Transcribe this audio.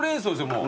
もう。